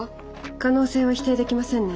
可能性は否定できませんね。